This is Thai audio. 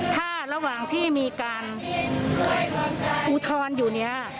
ถ้าระหว่างที่มีการอุทธรณ์อยู่เนี่ย